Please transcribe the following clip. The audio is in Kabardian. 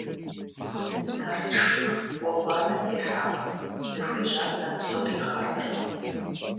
Нарт шур гъуэгуанэ техьамэ, зыхуежьам нэмысу къигъазэркъым.